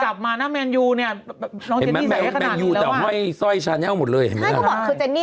แรงที่สูดแรงที่สุด